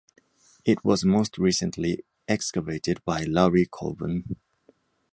It was most recently excavated by Larry Coben.